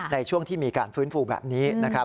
ในช่วงที่มีการฟื้นฟูแบบนี้นะครับ